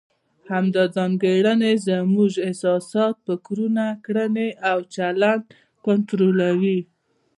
همدا ځانګړنې زموږ احساسات، فکرونه، کړنې او چلند کنټرولوي.